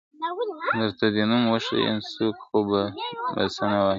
دار ته دي نوم وښیم څوک خو به څه نه وايي !.